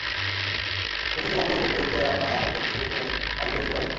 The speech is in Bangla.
চতুর্থ কক্ষ ঘুরতে ঘুরতে আপনার হাত হয়তো মুষ্টিবদ্ধ হয়ে আসবে নিজের অজান্তে।